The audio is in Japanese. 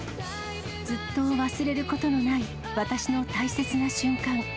ずっと忘れることのない、私の大切な瞬間。